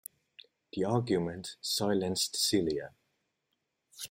The argument silenced Celia.